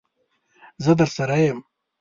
زه درسره یم.